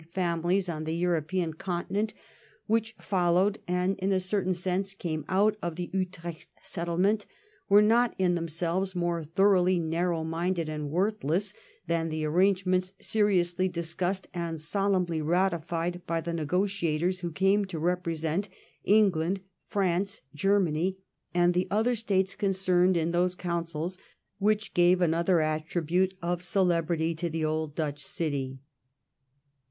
127 families on the European Continent whicli followed, and in a certain sense came out of the Utrecht settle ment, were not in themselves more thoroughly narrow minded and worthless than the arrangements seriously discussed and solemnly ratified by the negotiators who came to represent England, France, Germany, and the other States concerned in those councils which gave another attribute of celebrity to the old Dutch city.